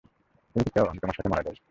তুমি কী চাও, আমিও তোমার সাথে মারা যাই?